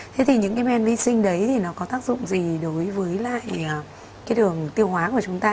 thế thì những cái men vi sinh đấy thì nó có tác dụng gì đối với lại cái đường tiêu hóa của chúng ta